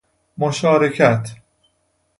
مشارکت